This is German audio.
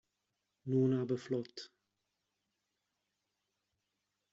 Nun aber flott!